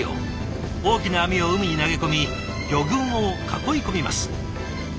大きな網を海に投げ込み魚群を囲い込みます。